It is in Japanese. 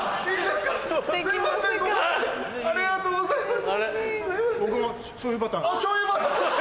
ありがとうございます。